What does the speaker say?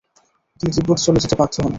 তিনি তিব্বত চলে যেতে বাধ্য হন।